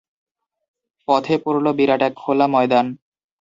পথে পড়ল বিরাট এক খোলা ময়দান।